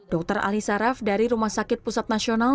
dr ali saraf dari rumah sakit pusat nasional